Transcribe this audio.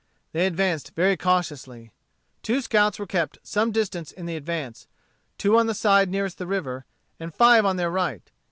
They advanced very cautiously. Two scouts were kept some distance in the advance, two on the side nearest the river, and five on their right.